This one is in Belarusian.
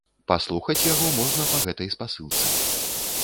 Паслухаць яго можна па гэтай спасылцы.